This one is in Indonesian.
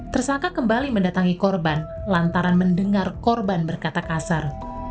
tersangka kembali mendatangi korban lantaran mendengar korban berkata kasar